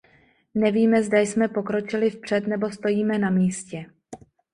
Nevíme, zda jsme pokročili vpřed nebo stojíme na místě.